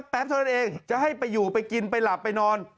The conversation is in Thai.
เท่านั้นเองจะให้ไปอยู่ไปกินไปหลับไปนอน